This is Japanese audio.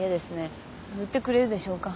売ってくれるでしょうか？